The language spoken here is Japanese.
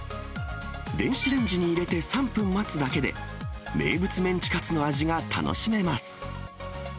電子レンジに入れて３分待つだけで、名物メンチカツの味が楽しめます。